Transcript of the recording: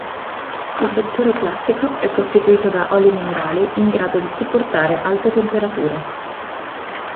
Il vettore classico è costituito da oli minerali in grado di sopportare alte temperature.